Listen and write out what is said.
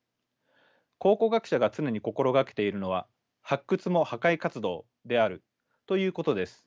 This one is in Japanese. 考古学者が常に心がけているのは発掘も破壊活動であるということです。